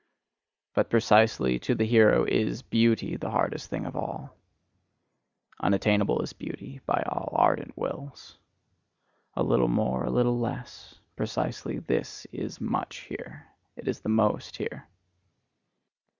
But precisely to the hero is BEAUTY the hardest thing of all. Unattainable is beauty by all ardent wills. A little more, a little less: precisely this is much here, it is the most here.